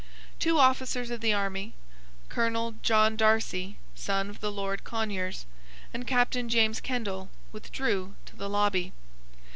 Two officers of the army, Colonel John Darcy, son of the Lord Conyers, and Captain James Kendall, withdrew to the lobby.